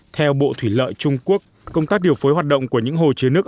theo bộ thủy lợi trung quốc công tác điều phối hoạt động của những hồ chứa nước